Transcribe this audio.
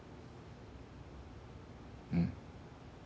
うん。